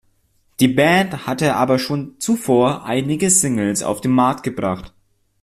Die Band hatte aber schon zuvor einige Singles auf den Markt gebracht.